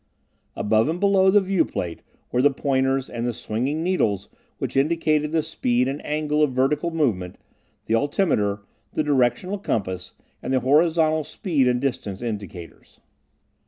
Above and below the viewplate were the pointers and the swinging needles which indicated the speed and angle of vertical movement, the altimeter, the directional compass, and the horizontal speed and distance indicators.